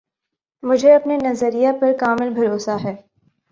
مجھے اپنے نظریہ پر کامل بھروسہ ہے